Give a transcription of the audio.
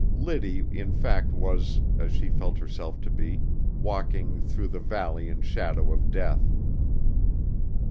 Liddy in fact was, as she felt herself to be, walking "through the valley and shadow of death."